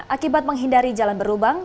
akibat menghindari jalan berubang